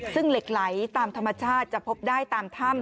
ซึ่งเหล็กไหลตามธรรมชาติจะพบได้ตามถ้ำ